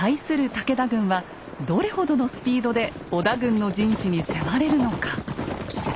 武田軍はどれほどのスピードで織田軍の陣地に迫れるのか。